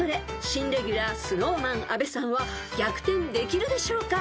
［新レギュラーＳｎｏｗＭａｎ阿部さんは逆転できるでしょうか？］